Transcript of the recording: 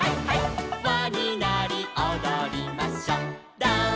「わになりおどりましょう」